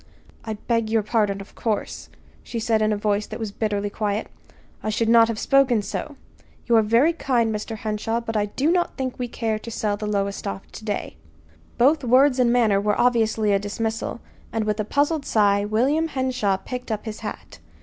"I beg your pardon, of course," she said in a voice that was bitterly quiet. "I should not have spoken so. You are very kind, Mr. Henshaw, but I do not think we care to sell the Lowestoft to day." Both words and manner were obviously a dismissal; and with a puzzled sigh William Henshaw picked up his hat.